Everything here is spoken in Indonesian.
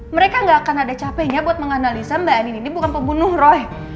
mereka gak akan ada capeknya buat menganalisa mbak anin ini bukan pembunuh roy